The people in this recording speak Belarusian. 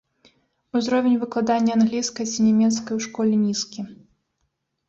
Узровень выкладання англійскай ці нямецкай у школе нізкі.